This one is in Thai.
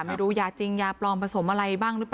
ไม่รู้อยาจริงปลองผ้าสมอะไรบ้าง